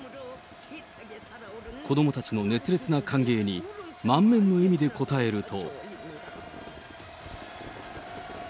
子どもたちの熱烈な歓迎に満面の笑みで応えると。